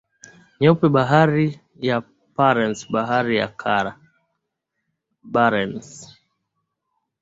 Nyeupe Bahari ya Barents Bahari ya Kara